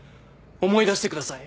思い出してください。